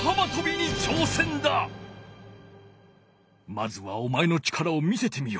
まずはお前の力を見せてみよ。